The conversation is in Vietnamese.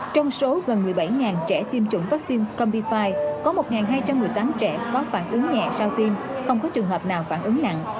trong số gần một mươi bảy trẻ tiêm chủng vaccine combifi có một hai trăm một mươi tám trẻ có phản ứng nhẹ sau tim không có trường hợp nào phản ứng nặng